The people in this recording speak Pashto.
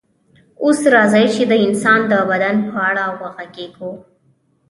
اوس راځئ چې د انسان د بدن په اړه وغږیږو